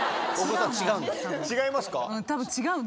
違いますか？